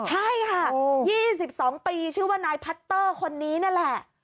ใช่ค่ะ๒๒ปีชื่อว่านายพัตเตอร์คนนี้นั่นแหละ